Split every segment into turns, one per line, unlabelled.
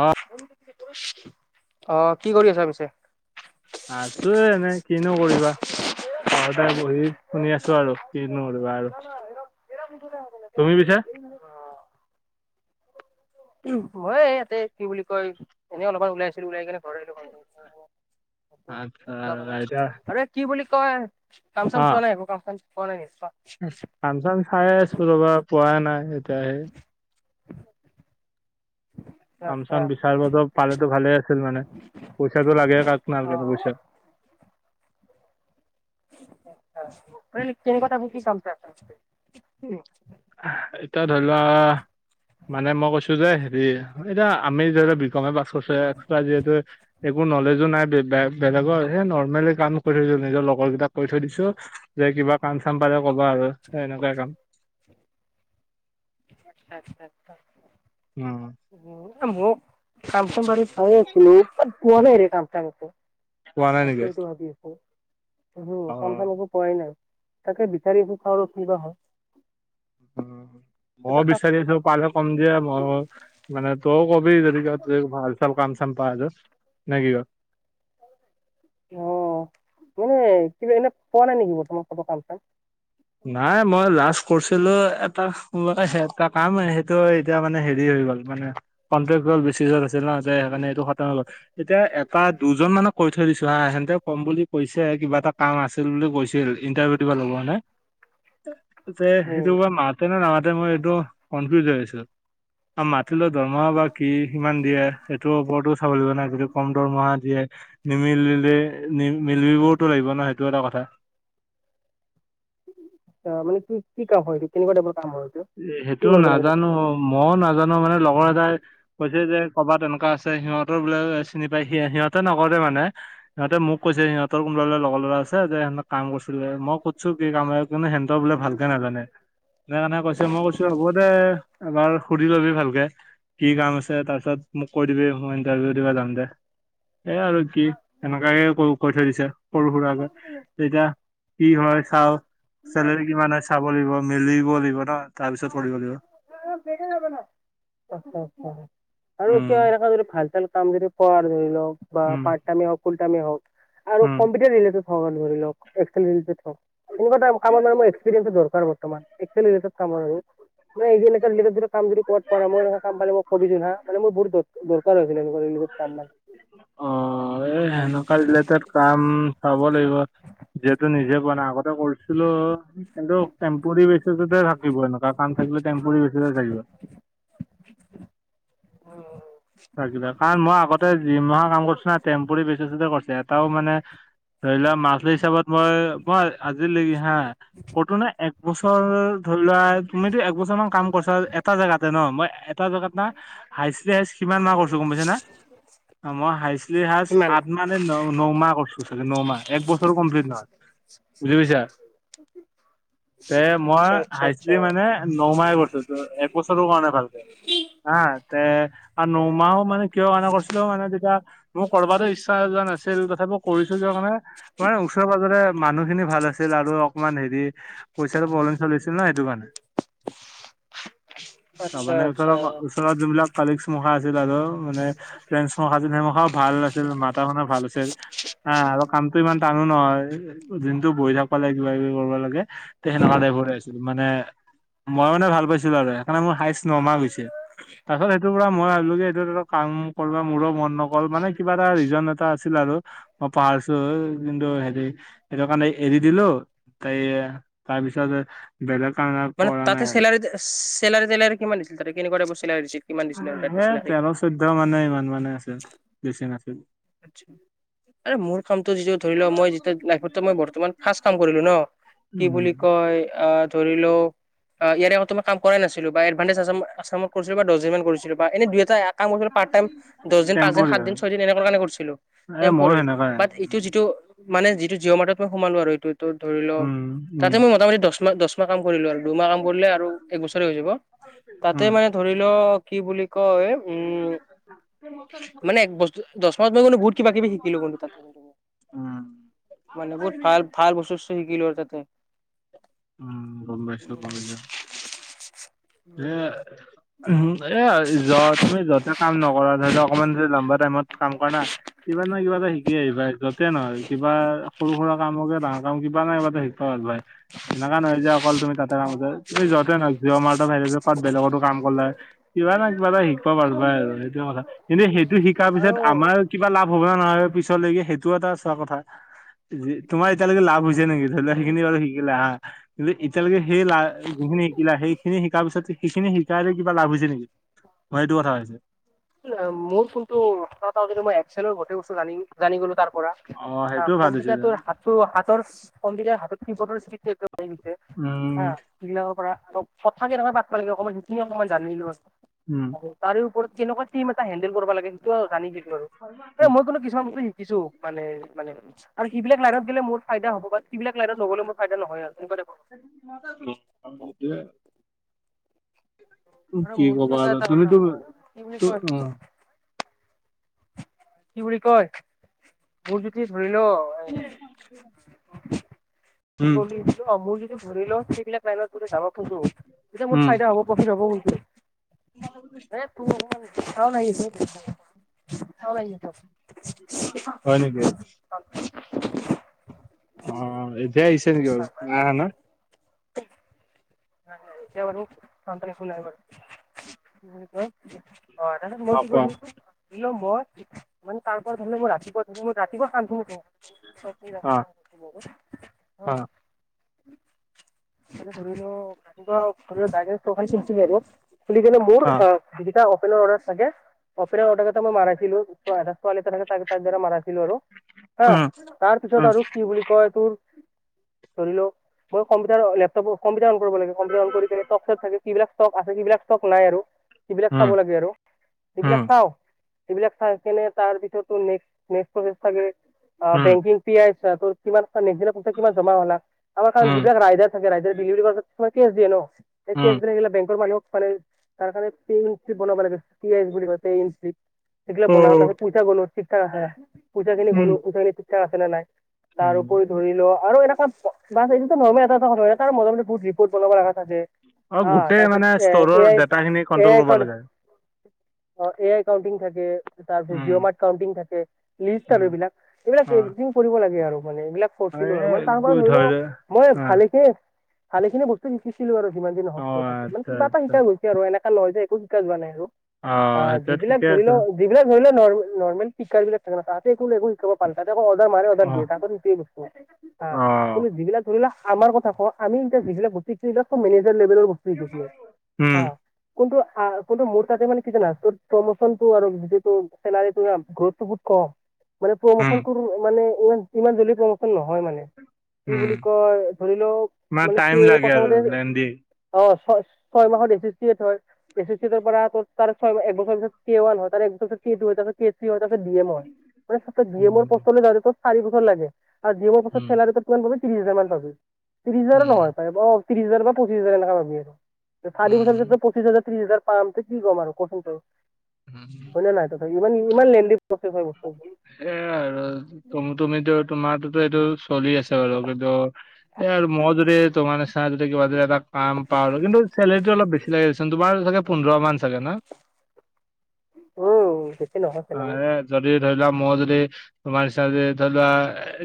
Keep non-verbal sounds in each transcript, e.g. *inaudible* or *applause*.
অ
অ কি কৰি আছা পিছে?
আছো এনেই কিনো কৰিবা। ঘৰতে বহি শুনি আছোঁ আৰু কিনো আৰু ৰুৱা ৰুই
বোলে ঔ বিটূ দা অ মই এ ইয়াতে কি বুলি কয় এনে অলপমান ওলাইছিলো ওলাই আহি কিনে ঘৰ আহিলো
আচ্ছা এতিয়া
মানে কি বুলি কয় কাম চাম
অ
চোৱা নাই একো কাম চাম চোৱা নাই নি
কাম চাম চায়ে আছো ৰ'বা পোৱা নাই এতিয়াহে কাম চাম বিচাৰব যাওঁ পালেটো ভালে আছিল মানে পইচাটো লাগে কাক
অ
নালগেনো পইচা
মানে তেনেকুৱা তাইপৰ কি কাম
উ এতিয়া ধৰি লোৱা মানে মই কৈছো যে হেৰি এতিয়া আমি ধৰি লোৱা বি কমে পাছ কৰিছো এক্সট্ৰা যিহেতু একো নলেজো নাই বেলেগৰ সেই নৰ্মেলি কাম কৰি নিজৰ লগৰ কেইটাক কৈ থৈ দিছো যে কিবা কাম চাম পালে কবা আৰু সেই এনেকুৱাই কাম
*unintelligible* আচ্ছা আচ্ছা আচ্ছা
উম
উম ময়ো কাম চাম বাৰু আছিলো বাট পোৱা নাই ৰে কাম চাম একো
পোৱা নাই নেকি?
তাকেইতো ভাবি আছো,
অ
কাম চাম একো পোৱাই নাই তাকে বিচাৰিছো চাওঁ আৰু কিবা হয়
উম, ময়ো
এটা কাম
বিচাৰি পালে কম দিয়া মই মানে তইও কবি যদি ক'বাত ভাল চাল কাম চাম পা আৰু নাকি
অ মানে কিবা এনে পোৱা নাই নেকি বৰ্তমান ক কাম চাম
নাই মই লাষ্ট কৰিছিলো এটা এটা কাম সেইটো এতিয়া মানে হেৰি হৈ গ'ল মানে কনট্ৰেক বেচিছত আছিল নহ মানে এইটো খতম হৈ গল এতিয়া এটা দুজন মানে কৈ থৈ দিছো হা সেহতে ক'ম বুলি কৈছে কিবা এটা কাম আছে বুলি কৈছিল ইন্টাৰভিউ দিব লগা মানে সেইটো
উম
মাতে নে নামাতে মই এইটো কনফিউজ হৈ আছো আৰু মাতিলো দৰমহা বা কি কিমান দিয়ে সেইটোৰ ওপৰতো চাবলাগিব নাই কি কম দৰমহা দিয়ে নিমিলিলে নি মিলিবওতো লাগিব ন সেইটো এটা কথা
অ মানে তোৰ কি কাম হয় সেইটো কেনেকুৱা টাইপৰ কাম হয়তো
সেইটো নাজানো মই নাজানো মানে লগৰ এটাই কৈছে যে কবাত এনেকুৱা আছে সিহঁতৰ বোলে চিনি পায় সি সিহঁতে নকৰে মানে সিহঁতে মোক কৈছে সিহঁতৰ কোনোবাে বোলে লগৰ ল'ৰা আছে যে সেহতে কাম কৰিছিলে মই সুধছো কি কাম এ সেন্তো বোলে ভালকে নাজানে সেইকাৰণে কৈছো কৈছো হ'ব দে এবাৰ সুধি ল'বি ভালকে কি কাম আছে তাৰপিছত মোক কৈ দিবি মই ইণ্টাৰভিউ দিবা যাম দে সেই আৰু কি তেনেকাকে কৈ থৈ দিছে সৰু সুৰাকে তেতিয়া কি হয় চাওঁ চেলাৰি কিমান হয় চাব লাগিব মিলিব লাগিব ন' তাৰ পিছত পঢ়িব লাগিব
অ অ পেকেট যাবে না আৰু
উম
কিয় এনো যদি ভাল চাল কাম খিনি কৰা ধৰি লওক বা
উম
পাৰ্ট টাইমে হওক ফুল টাইমে হক আৰু
উম
কম্পিউটাৰ ৰি অ' ধৰি লওক এনেকুৱাটা কাম মানে এক্সপিৰিয়েঞ্চ বৰ্তমান একামাৰ আৰু মান কাম ধ কত পই কাম প মই কো না মান মোৰ দৰকাৰ হৈছিলে এনেকুৱা ৰিলেটিভ কাম মানে
অ এই সেনেকুৱা ৰিলেটত কাম চাব লাগিব যিহেতু নিজে বনা আগতে কৈছিলোঁ। কিন্তু টেম্পৰী বেচিছতে থাকিব এনেকুৱা কাম থাকিলে টেম্পী বেচি থাকিব।
উম হুম।
থাকিলে, কাৰণ মই আগতে জিম মাহৰ কাম কৰিছো ন টেম্পুৰি বেচিছে কৰিছোঁ এটাও মানে ধৰি লোৱা মাজুলী হিচাপত মই- মই আজিলৈকি হা। কতো নে, এক বছৰ ধৰি লোৱা তুমিতো একবছৰ মান কাম কৰিছা এটা জেগাতে ন মই জেগাত না, হাই -হ কিমান মান কৰিছো গম পাইছে না, মই হাই হ
সিমান
মানে ন -ন মাহ কৰিছো চাগে নমাহ এক বছৰো কমপ্লিট নহয়, বুজি পুাইছা?
উম।
তে মই হাইটি মানে নমাহ কৰিছো ত এক বছৰৰ কাৰণে ভালকে। অ', তে। আৰু নমাহো মানে কিয় কানা কৰিছিলো মানে তেতিয়া, মোৰ কৰবাত ইচ্ছা যোৱা নাছিল তথাপি কৰিছো যোৱা কাৰণে, মানে ওচৰে-পাজৰে মানুহখিনি ভাল আছিল আৰু অকণমান হেৰি, পইচাটো পৰব্লেম চলি আছিল ন সেইটো কাৰণে।
*unintelligible*
তাৰ
আচ্ছা
মানে ওচৰ-
আচ্ছা
ওচৰত যোনবিলাক কালিগঞ্জ মুখা আছিল আৰু মানে ফ নেমুখাও ভাল আছিল মাতা শুনৰ ভাল আছিল। আহ', আৰু কামতটো ইমান টানো নহয়, দিনটো বহি থাকিব লাগে কিবা -কিবি কৰিব লাগে। তে সেনেকুৱকা দাই ভৰে আছিলো মানে, মই মানে ভাল পাইছিলো আৰু সেইকাৰণে মোৰ নমা গৈছে, তাৰপিছত সেইটো পৰা মই ভাবিলো যে সেইটো কাম কৰিব মোৰো মন নকল মানে কিবা এটা ৰিজন এটা আছিল আৰু, মই পাহাৰছো কিন্তু হেৰি সেইটো কাৰণে এৰি দিলো, তাই, তাৰপিছত বেলেগ কাৰণে
মানে
কৰা
তাতে
নাই আৰু
চেলাৰি, চেলাৰি -তেলাৰি কিমান দিছিল তাতে কেনেকুৱা টাইপৰ চেলাৰি দিছিল? কিমান দিছিল আৰু তাতে
সে',
চেলাৰী?
তেৰ চৈধ্য মানে ইমান মানে আছিল, বেছি নাছিল।
মোৰ কামটো যিটো ধৰি লোৱা মই যেতিয়া লাইফ মই বৰ্তমান ফাৰ্ষ্ট কাম কৰিলো ন। কি
উম
বুলি কয় আহ', - ধৰিল, ইয়াৰে আগতে মই কাম কৰাই নাছিলো বা এত ফাৰ্ষ্ট এচামৰ-আচামৰ কৰিছোঁ বা কৰিছিলো বা এ দুই এটা কাম পাইটাম, দহ দিন পাঁচ দিন
টেম্পৰি
সাত দিন ছয় দিন কৰিছিলোঁ।
এ ময়ো
তেম্পৰি,
সেনেকাই
বাত যিটো মানে যিটো জিঅ' মাৰ্টত মই সোমালো আৰু এইটো ত' ধৰি লওক।
উম উম উম
তাতে মই মোটামুটি দহ মাহ দহ মাহ কাম কৰিলো আৰু দুমাহ কাম কৰিলে আৰু এক বছৰে হৈ যাব, তাতে
উম
মানে ধৰি লও কি বুলি কয় উম, মানে এক বস্তু দহ মই কিন্তু বহুত কিবা -কিবি শিকিলো কিন্তু তাতে,
উম
মানে বহুত ভাল ভাল বস্তু শিকিলো তাতে।
উম, গম পাইছোঁ গম পাইছোঁ। সেইয়াই
উম
- উম, এ যোৱা তুমি যতে কাম নকৰা ধৰি ল অকণমান লম্বা টাইমত। কাম কৰা না, কিবাৰ নহয় কিবা এটা শিকি আহিবা যতে নহয় কিবা সৰু সুৰা কাম হকে বা কাম কিবা শিকা ভাই। এনেকা নহয় যে অকল তুমি তাতে কামতে, তুমি যতে নহয় বেলেগতো কাম কৰিলে, কিবা না কিবা এটা শিকিব পাৰো পাই আৰু সেইটো কথা। কিন্তু সেইটো শিকাৰ পিছত
আৰু
আমাৰ কিবা লাভ হ'ব নাই পিছলৈকে সেইটোও এটা চোৱা কথা। তোমাৰ এতিয়ালৈকে লাভ হৈছে নেকি ধৰি লও সেই খিনি বাৰু শিকিলা হা। কিন্তু এতিয়ালৈকে সেই জোন খিনি শিকিলা সেই খিনি শিকাৰ পিছত সেইখিনি শিকাইছে কিবা লাভ হৈছে নেকি? মই সেইটো কথা হৈছে?
মোৰ ফোনটো *unintelligible* একচেলৰ গোটেই বস্তু জানি জানি গ'লো তাৰ পৰা।
সেইটো
অ'
ভাল হৈছে যেন।
কম্পিউটাৰটোৰ হাত। *unintelligible*
উম,
সিবিলাকৰ পৰা কথা কেনেকে পাত বা লাগে অকণমান সেইখিনি অকমান জানিলো।
উম'
আৰু তাৰে ওপৰত কেনেকুৱা টিম এটা হেণ্ডেল কৰিব লাগে সেইটো জানিছিলো আৰু,
উম।
এ মই কোনো কিছুমান বস্তু শিকিছো। মানে মানে আৰু সিবিলাক লাইনত গেলে মোৰ ফাইদা হ'ব বািবিলাক লাইনত নগ'লে মোৰ ফাইদা নহয় আৰু এনেকুৱা টাইপৰ।
*inaudible*
আৰু
কি
মোৰ যদি
ক'বা
এটা
*unintelligible*
এটা কথা
তুমিতো
কওঁ কি বুলি কয়
অ'।
কি বুলি কয়, মোৰ যদি ধৰি ল।
*inaudible*
*unintelligible*
উম,
লাইনত যদি যাব খোজোঁ কোনটো মোৰ
উম,
ফাইদা হ'ব প্ৰফিট হ'ব কোনটো। *unintelligible*
হয় নেকি?
*inaudible*
অ' এতিয়া আহিছে নেকি বাৰু নাই আহা নহ?
*inaudible* *unintelligible* মই মানে তাৰ
অ', কোৱা।
পৰা ধৰিলে মই *unintelligible* *inaudible*
অ',
*inaudible*
অ'।
*unintelligible*
অ',
*unintelligible* অপেনৰ অৰ্ডাৰ কেইটা থাকে *unintelligible* হা
উম,
তাৰ পিছত আৰু কি বুলি কয় তোৰ। ধৰি লও মই কম্পিউটাৰ লেপটপ কম্পিউাৰ অন কৰিব লাগে কম্পিউটাৰ অন কৰি *unintelligible* থাকে যি বিলাক। ষ্টক আছে সিবিলাক ষ্টক নাই আৰু সবিলাক
উম,
চাব লাগে আৰু সেইবিলাক
উম,
চাও। এইবিলাক চাই কেনে তাৰ ভিতৰতো নেক্সট *unintelligible* থাকে
উম,
বেংকিং। *unintelligible* *unintelligible* বেংকৰ
উম, উম, উম,
মানুহ মানে তাৰ কাৰণে *unintelligible* এইগিলা
অ',
বন ত *unintelligible* পচাখিনি
উম,
ঠিক ঠাক আছে নে নাই তাৰ উপৰি
উম।
ধৰি লোৱা আৰু এনে ক বাছ এইটো নৰ্মেল এটা এটায় ত *unintelligible* ৰিপৰ্ট বনাব লগা থাকে। অ',
গোটেই
তাৰছত
মানে
এ
ষ্টৰৰ
আই
ডাটাখিনি
এ
কন্ট্ৰল কৰিব
আই।
লাগে।
অ', এ আই কাউন্টিং থাকে, তাৰিছত
উম,
জিঅ' মাৰ্ কউটিং থাকে, লিষ্ট
উম,
আৰু এইবিলাক।
অ',
কৰিব লাগে আৰু মানে এইবিলাক কৰিছিলো আৰু মানে তাৰ পৰাত ধৰি লও মই
অ',
ভালেকে ভালে খিনি। শিকিছিলো আৰু যিমান যি
অ',
নহঁক তাতে, মানে
আচ্ছা,
কিবা এটা
আচ্ছা।
শিকা গৈছে আৰু এনেকুৱা নহয় যে একো শিকা যোৱা নাই আৰু। অ',
সেইটো
যিবিলাক
ঠিকে
ধৰি
আছে।
লও। যিবিলাক ধৰি লওক নৰ্মেল *unintelligible* বিলাক থাক না ততে একো একো শিকাব *unintelligible*
অ'। অ',
*unintelligible* যিবিলাক ধৰিলে *unintelligible* যিলাক মেজাৰ লেভেলৰ।
উম,
*inaudible* *unintelligible* মানে
উম,
প্ৰমোচন তোৰ মানে ইমান ইমান জল্দি প্ৰমোচন নহয় মানে। কি
উম,
বুলি কয়, ধৰি লওক মানে
টাইম
কি
লাগে আৰু
প্ৰথমতে।
লেণ্ডি।
অ', ছয় ছয় মাহত এছ এছটিয় থয়। এছছৰ পৰা ত ছয় এক বছৰ পিছত কি হ'ল *unintelligible* আছে ডি এমৰ মানে ডি এমৰ
উম,
পিছলৈ যাওঁতে ত চাৰি বছৰ লাগে। আৰু ডিমৰ
উম,
পাছত চেলাৰী কিমান পাবি ত্ৰিশ হাজাৰ মান পাবি ত্ৰিশ হাজাৰো
উম,
নহয় পাৰে অ ত্ৰিশ হাজাৰ বা পঁচিশ হাজাৰ টকা পাবি আৰু
উম।
পঁচিছ হাজাৰ ত্ৰি হাজাৰ পাম ত কি ক'ম আৰু কচোন
উম
হয় নে নাই ত ইমান ইমান লেণ্ডি প্ৰচেছ হয় বস্তুটো।
সেইয়াই আৰু তুমিতো তোমাৰতো এইটো চলি আছে বাৰু কিন্তু এ আৰু মই যদি তোমাৰে চাই যদি কিবা যদি এটা কাম পাওঁ আৰু কিন্তু চেলেৰিটো অলপ বেছি লাগে দেচোন তোমাৰ চাগে পোন্ধৰ মান চাগে ন।
উম। নহয় চেলাৰী উম
অ', যদি ধৰি লোৱা মই যদি তোমাৰ হিচাপে ধৰি লোৱা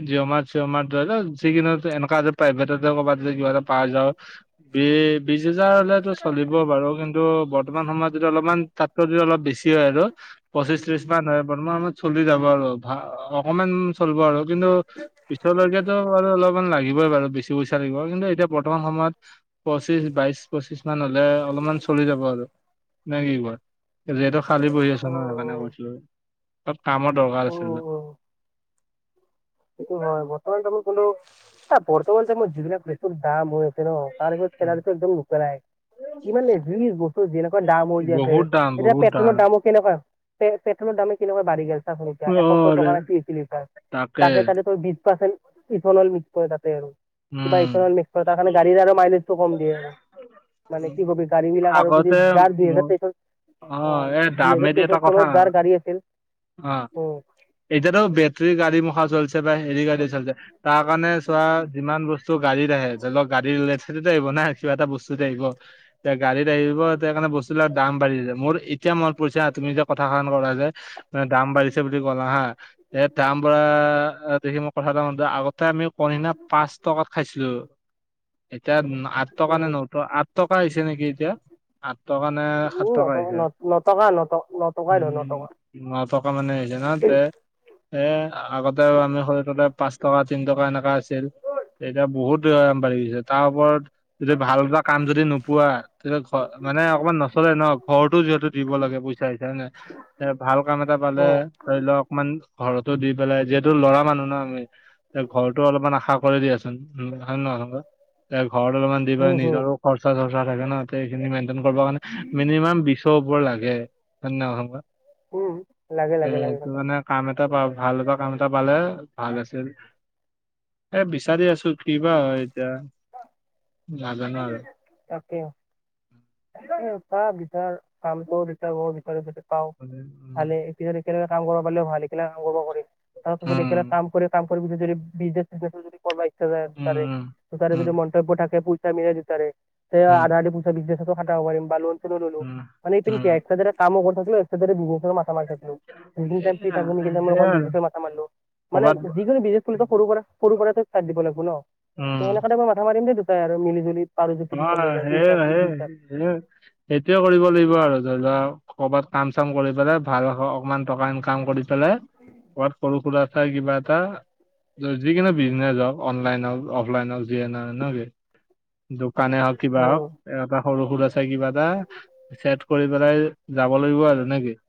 জিঅ'মাৰ চিঅ'মাৰ ধৰি লোৱা যিকিদিনত এনেকুৱা প্ৰাইভেটতে ক'বা যে কিবা এটা পাই যাওঁ বি বিশ হেজাৰ হলেতো চলিব বাৰু কিন্তু বৰ্তমান সময়ত তাতকৈ যদি অলপ বেছি হয় আৰু পচিশ ত্ৰিশ মান হয় বৰ্তমান সময়ত চলি যাব আৰু ভা অকণমান চলিব আৰু। কিন্তু পিছলৈকেতো ব অলপমান লাগিবই বাৰু বেছি পইচা লাগিব কিন্তু এতিয়া বৰ্তমান সময়ত পঁচিশ বাইছ পঁচিশ মান হ'লে অলপমান চলি যাব আৰু। নাই কি কয় যিহেতু খালী বহি আছে ন সেইকাৰণে
উম
কৈছিলো অলপ কামত দৰকাৰ আছিল।
সটো হয় বৰ্তমান মই কিন্তু এ বৰ্তমান যে মই সিবিলাক বস্তুৰ বেছি দাম হৈ আছে ন *unintelligible* ইমান এই যি বস্তু যেনেকুৱা দাম হৈ আছে
বহুত দাম
এতিয়া
বহুত
পেট্ৰলৰ
দাম।
দামত কেনেকুৱা পেট্ৰলৰ দামে কেনেকুৱা বাঢ়ি গ'ল চা চোন এতিয়া এশ
অ'
ছয়
দে।
টকা নে এক লিটাৰ। তাকে তাতে ত বি পাৰ্চেট ইথল মিক তাতে আৰু কিবা
উম,
ইথল ম ত তাৰ কাৰণে গড়ী আৰু মাইলেজটো কম দিয়ে আৰু। মানে কি কবি গাড়ী বিলাক আৰু যদি
আগতে
যাৰ
মোৰ
দুইহেজাৰ তেইছত অ',
এই
দুহেজাৰ
দামেদি এটা
তেইছত
কথা
চনত যাৰ গাড়ী আছিল
অ'।
উম
এতিয়াতো বেটেৰী গাড়ী মুখা চলছে বা হেৰি গাড়ী চলিছে তাৰ কাৰণে চোৱা যিমান বস্তু ত গাড়ীত আহে ধৰি লওঁক গাড়ী ল'লে থেইতে আহিব না কিবা এটা বস্তুতে আহিব। এতিয়া গাড়ীত আহিব এতিয়া সেই কাৰণে বস বিলাক দাম বাঢ়িছে মোৰ এতিয়া মই পৰিছে হা তুমি যেতিয়া কথা সাৰ ক'লা যে মানে দাম বাঢ়িছে বুলি হা এ তাৰ পৰা দেখি মোৰ কথা এটা মনত আগত তাৰপিছত কৰিণা পাঁচ টকাত খাইছিলো। এতিয়া আঠ টকা নে
উম
নট আঠ টকা হৈছে নেকি এতিয়া আঠ টকা নে সাত টকা
ন
হৈছে
নত ন টকান নট ন টকাই ধৰি ল ন
উম
টকা
ন টকা মানে সেইদিনা দে আগতে আমি সৰু থাকোতে পাঁচ টকা তিন টকা এনেকা আছিল। এতিয়া বহুত দাম বাঢ়ি গৈছে তাৰ ওপৰত যদি ভাল এটা কাম যদি নোপোৱা। তেতিয়া ঘ মানে অকমান নচলে ন ঘৰতো যিহেতু দিব লাগে পইচা চইচা হয় নাই এনে ভাল কাম এটা পালে
উম,
ধৰি লওঁক অকমান ঘৰতো দি পেলাই যিহেতু ল'ৰা মানুহ ন আমি ঘৰতো অলপমান আশা কৰি দিয়াচোন হয় নে নহয় এতিয়া ঘৰতো অলপমান দি
উম,
পেলাই
হুম,
নিজৰ খৰ্চা চৰ্চা থাকে ন এইখিনি মেইনটেইন কৰিব কাৰণে মিনিমাম বিশ ওপৰ লাগে হয়নে নহয় কোৱা
উম। লাগে
তে
লাগে লাগে
এটো মানে কাম এটা পা ভাল বা কাম এটা পালে ভাল আছিল, এ বিচাৰি আছো। কিবা হয় এতিয়া নাজানো আৰু।
তাকে। তাকে অ' চা বিচাৰ কাম টো বিচাৰ মও বিচাৰো যদি পাওঁ,
উম
ভালে। পিছত একেলগে কাম কৰিব পাৰলে ভাল একেলগ কাম কৰিব নোৱাৰি তাৰপিছত একেলগে কাম কৰি কাম কৰি পিছত যদি বিজনে চিজনেজ যদিকৰবা ইচ্ছা যায়
উম
তাৰে, ত' তাৰে
উম
যদি মন্তব্য থাকে *unintelligible* মিলাই বিছাৰে সেয়া
উম
আধা আধি পইচা বিজনেজতো খাটাব পাৰিম বা লোন চোনো ল'লো
উম
মানে এই পিন
উম
কেৰেকটাৰ গিতা কামো কৰি থাকলো, একটা ছাইদে বিজনেচৰো মাথ মাথা মাৰি থাকলো যি খিন টাইম ফ্ৰিৰ
এয়া
থাকিলো সেইকন টাইম
সেইয়াই আৰু
বিজনিজত মাথা মাৰিলো, মানে
কৰ'বাত
যিকোনো বিজনেজ পুলি ত সৰু পৰা সৰু পৰা তে চাই দিব লাগিব ন'। সে
উম
সেনাখনে মই মাথা মাৰিম দেই দুটাই আৰু মিলি জুলি পাৰো যদি পিছলৈ, তিন চাৰ দিন *unintelligible*
হে সেইটোয়ে কৰিব লাগিব আৰু যদি ধৰি লোৱা কৰ'ৰবাত কাম চাম কৰি পেলাই ভাল হ অকমান টকা ইনকাম কৰি পেলাই, কবাত সৰু সুৰা চাই কিবা এটা ধৰ যিকোনো বিজনেছ হওঁক, অনলাইন হওঁক অফলাইন হওঁক যিয়ে নহওঁক না কি? দোকানে হওঁক কিবা হওঁক
অ'
এটা সৰু সৰু চাই কিবা এটা ছেট কৰি পেলাই যাব লাগিব আৰু নেকি?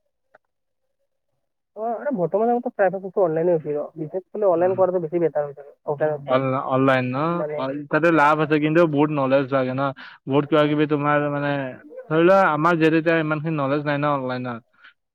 হয় মানে বৰ্তমান এটা এ সেইটো ত অনলাইনে উঠিব বিশেষক অনলাইন কৰাটো বেছি বেটাৰ হৈ অফলাইনত কে।
অফলাইন ন' অণ তাতে লাভ আছে কিন্তু বহুত নলেজ লাগে না, বহুত কিবা কিবি তোমাৰ মানে। ধৰি লোৱা আমাৰ যিহেতু এতিয়া ইমান খিনি নলেজ' নাই ন' অনলাইনত